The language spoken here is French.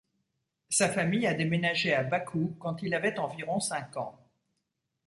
Sa famille a déménagé à Bakou quand il avait environ cinq ans.